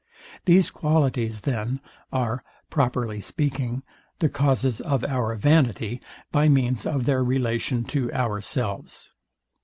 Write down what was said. These qualities, then, are, properly speaking, the causes of our vanity, by means of their relation to ourselves.